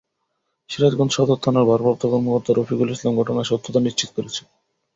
সিরাজগঞ্জ সদর থানার ভারপ্রাপ্ত কর্মকর্তা রফিকুল ইসলাম ঘটনার সত্যতা নিশ্চিত করেছেন।